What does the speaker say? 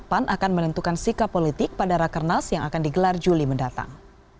pan akan menentukan sikap politik pada rakernas yang akan digelar juli mendatang